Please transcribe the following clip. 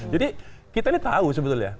jadi kita ini tahu sebetulnya